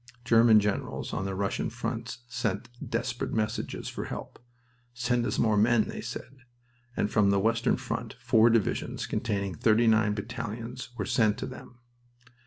German generals on the Russian fronts sent desperate messages for help. "Send us more men," they said, and from the western front four divisions containing thirty nine battalions were sent to them.